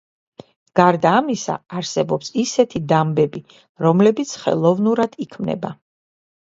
გარდა ამისა, არსებობს ისეთი დამბები, რომლებიც ხელოვნურად იქმნება.